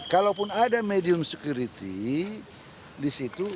kalaupun ada medium security disini